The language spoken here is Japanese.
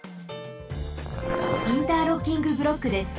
インターロッキングブロックです。